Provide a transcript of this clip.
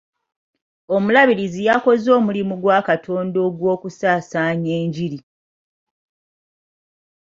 Omulabirizi yakoze omulimu gwa Katonda ogw'okusaasaanya enjiri.